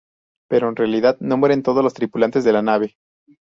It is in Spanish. Pero en realidad no mueren todos los tripulantes de la nave.